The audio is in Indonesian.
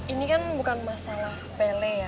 ini kan bukan masalah sepele ya